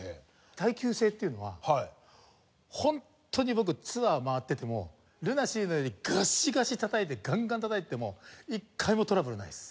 耐久性っていうのはホントに僕ツアー回っててもＬＵＮＡＳＥＡのようにガシガシたたいてガンガンたたいてても一回もトラブルないです。